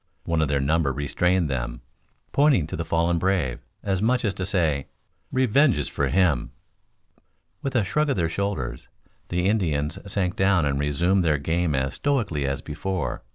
One of their number restrained them, pointing to the fallen brave, as much as to say, "Revenge is for him!" With a shrug of their shoulders the Indians sank down and resumed their game as stoically as before.